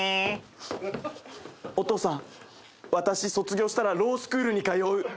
お父さん私卒業したらロースクールに通う！